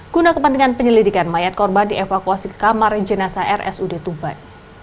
guna kepentingan penyelidikan mayat korban dievakuasi ke kamar jenazah rsud tuban